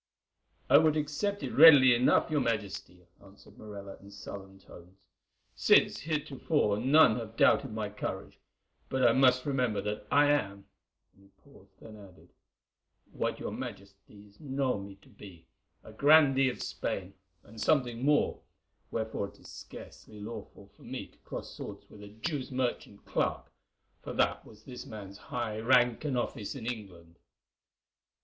"I would accept it readily enough, your Majesty," answered Morella in sullen tones, "since heretofore none have doubted my courage; but I must remember that I am"—and he paused, then added—"what your Majesties know me to be, a grandee of Spain, and something more, wherefore it is scarcely lawful for me to cross swords with a Jew merchant's clerk, for that was this man's high rank and office in England."